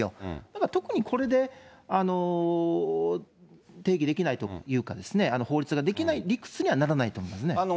だから特にこれで定義できないというか、法律ができない理屈にはならないと思いますね。